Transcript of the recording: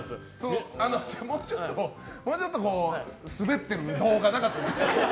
もうちょっと滑ってる動画なかったの？